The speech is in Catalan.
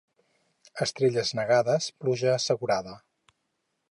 Estrelles negades, pluja assegurada.